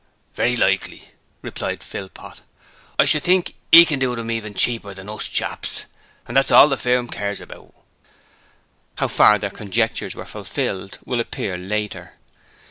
'Very likely,' replied Philpot, 'I should think 'e can do 'em cheaper even than us chaps, and that's all the firm cares about.' How far their conjectures were fulfilled will appear later.